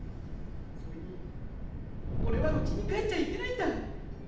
それに俺はうちに帰っちゃいけないんだ！